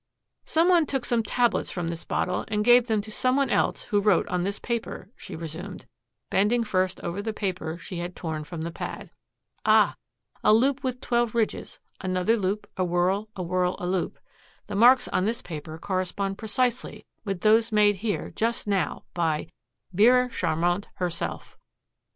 "Some one took some tablets from this bottle and gave them to some one else who wrote on this paper," she resumed, bending first over the paper she had torn from the pad. "Ah, a loop with twelve ridges, another loop, a whorl, a whorl, a loop. The marks on this paper correspond precisely with those made here just now by Vera Charmant herself!"